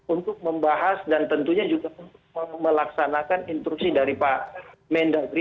untuk membahas dan tentunya juga melaksanakan instruksi dari pak mendagri